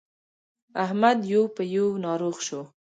احمد يو په يو ناروغ شو.